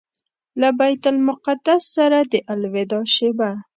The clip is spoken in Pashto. له بیت المقدس سره د الوداع شېبه.